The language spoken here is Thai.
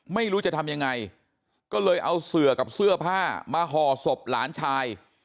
ไม่รู้จะทำยังไงก็เลยเอาเสือกับเสื้อผ้ามาห่อศพหลานชาย